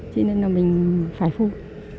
cho nên là mình phải phun